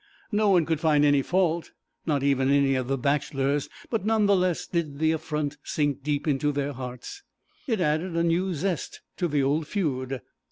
No one could find any fault, not even any of the bachelors, but none the less did the affront sink deep into their hearts. It added a new zest to the old feud.